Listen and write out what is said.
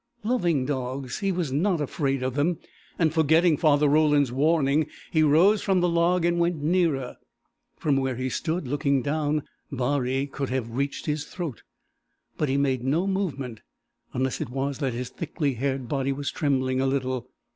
Loving dogs, he was not afraid of them, and forgetting Father Roland's warning he rose from the log and went nearer. From where he stood, looking down, Baree could have reached his throat. But he made no movement, unless it was that his thickly haired body was trembling a little.